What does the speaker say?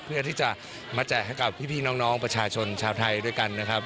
เพื่อที่จะมาแจกให้กับพี่น้องประชาชนชาวไทยด้วยกันนะครับ